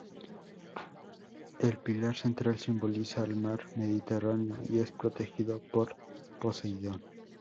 El Pilar Central simboliza al Mar Mediterráneo y es protegido por Poseidón.